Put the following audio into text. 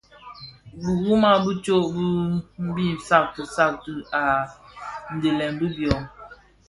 Biwuma bi tsog bin mbiň sakti sakti a dhilem bi byō.